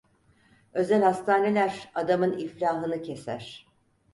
Özel hastaneler adamın iflahını keser.